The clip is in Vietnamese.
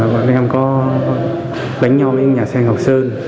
bọn em có đánh nhau với những nhà xe ngọc sơn